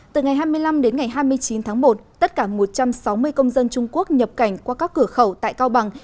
từ ngày hai mươi năm đến ngày hai mươi chín tháng một tất cả một trăm sáu mươi công dân trung quốc nhập cảnh qua các cửa khẩu tại cao bằng